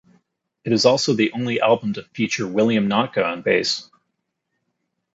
It is also the only album to feature William Nottke on bass.